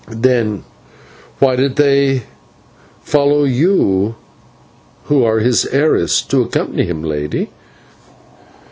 "Then why did they allow you, who are his heiress, to accompany him, Lady?"